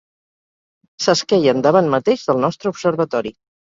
S'esqueien davant mateix del nostre observatori